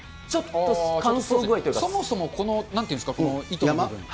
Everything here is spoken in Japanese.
そもそもこの、なんていうんですか、この糸の部分。